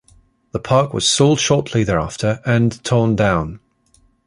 The park was sold shortly thereafter and torn down.